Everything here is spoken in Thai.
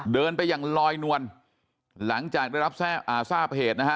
เดินไปอย่างลอยนวลหลังจากได้รับทราบเฮตนะฮะ